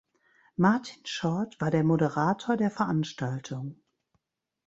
Martin Short war der Moderator der Veranstaltung.